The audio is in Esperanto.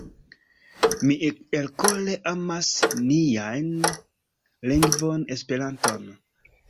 Mi elkore amas nian lingvon Esperanton.